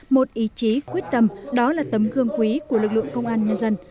một ý chí quyết tâm đó là tấm gương quý của lực lượng công an nhân dân